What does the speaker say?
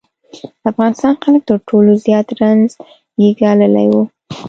افغانستان خلک تر ټولو زیات رنځ یې ګاللی و.